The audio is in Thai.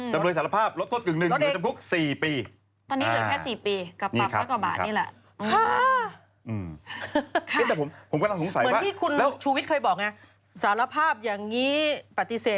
ดำเนยสารภาพลดลดกึ่งหนึ่งหรือจำพลุก๔ปี